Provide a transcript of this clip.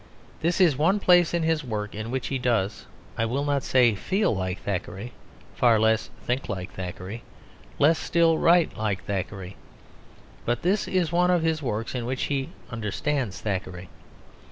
This is the one place in his work in which he does, I will not say feel like Thackeray, far less think like Thackeray, less still write like Thackeray, but this is the one of his works in which he understands Thackeray.